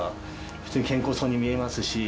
普通に健康そうに見えますし。